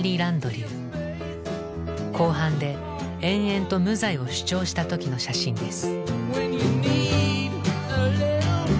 公判で延々と無罪を主張した時の写真です。